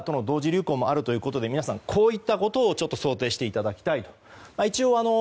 流行もあるということで皆さん、こうしたことを想定していただきたいと。